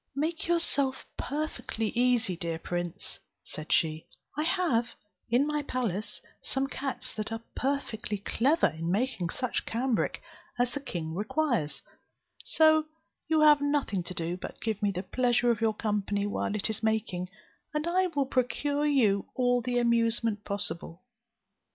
"Make yourself perfectly easy, dear prince," said she, "I have in my palace some cats that are perfectly clever in making such cambric as the king requires; so you have nothing to do but to give me the pleasure of your company while it is making; and I will procure you all the amusement possible."